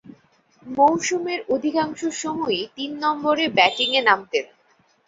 মৌসুমের অধিকাংশ সময়ই তিন নম্বরে ব্যাটিংয়ে নামতেন।